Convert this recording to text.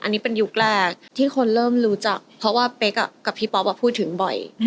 อันนี้เป็นยุคแรกที่คนเริ่มรู้จักเพราะว่าเป๊กกับพี่ป๊อปพูดถึงบ่อย